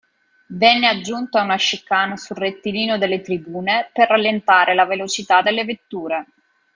Venne aggiunta una "chicane" sul rettilineo delle tribune per rallentare la velocità delle vetture.